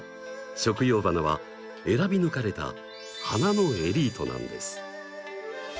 食用花は選び抜かれた花のエリートなんです。